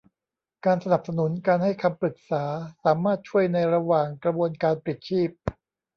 การสนับสนุนการให้คำปรึกษาสามารถช่วยในระหว่างกระบวนการปลิดชีพ